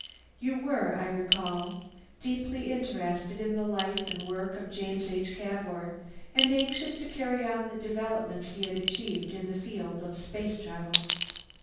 You were, I recall, deeply interested in the life and work of James H. Cavour, and anxious to carry on the developments he had achieved in the field of space travel.